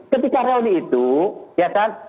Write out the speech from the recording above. ketika real ini itu ya kan